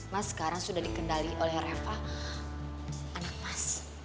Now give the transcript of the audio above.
mas sekarang sudah dikendali oleh reva anak pas